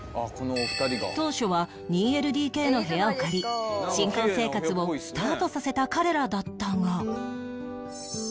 当初は ２ＬＤＫ の部屋を借り新婚生活をスタートさせた彼らだったが